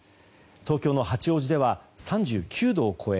東京の八王子では３９度を超え